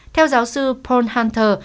theo giáo sư paul hunter